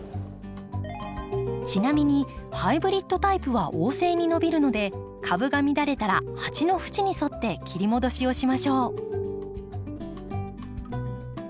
ちなみにハイブリッドタイプは旺盛に伸びるので株が乱れたら鉢の縁に沿って切り戻しをしましょう。